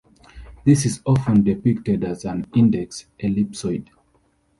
This is often depicted as an index ellipsoid.